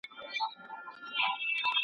د ساینسي مضمون لپاره لابراتوار کارول کېږي.